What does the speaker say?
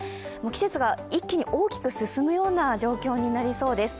季節が一気に大きく進むような状態になりそうです。